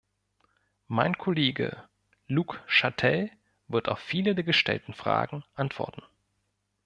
Mein Kollege Luc Chatel wird auf viele der gestellten Fragen antworten.